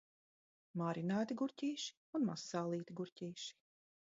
Marinēti gurķīši un mazsālīti gurķīši.